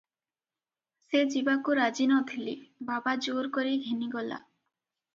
"ସେ ଯିବାକୁ ରାଜି ନ ଥିଲେ, ବାବା ଜୋର କରି ଘେନିଗଲା ।